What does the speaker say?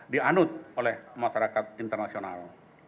dianut oleh masyarakat internasional